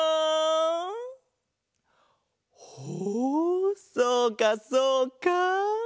ほうそうかそうか。